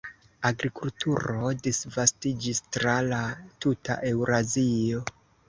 Agrikulturo disvastiĝis tra la tuta Eŭrazio.